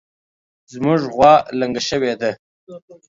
زمونږ غوا لنګه شوې ده